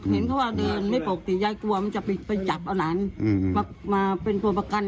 เห็นเขาว่าเดินไม่ปกติยายกลัวมันจะไปจับเอาหลานมาเป็นตัวประกัน